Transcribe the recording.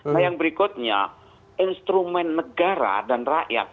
nah yang berikutnya instrumen negara dan rakyat